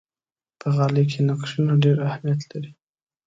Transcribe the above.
په غالۍ کې نقشونه ډېر اهمیت لري.